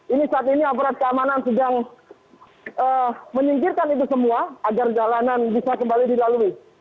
ini saat ini aparat keamanan sedang menyingkirkan itu semua agar jalanan bisa kembali dilalui